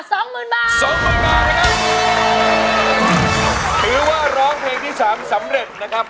ร้องเพลงที่๓สำเร็จนะครับ